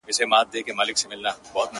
د کلي فضا ورو ورو بيا عادي کيږي-